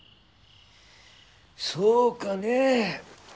そうかね。